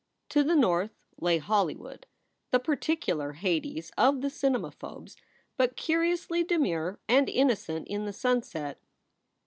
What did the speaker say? To the north lay Hollywood, the particular Hades of the cinemaphobes, but curiously demure and innocent in the sunset.